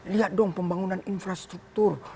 lihat dong pembangunan infrastruktur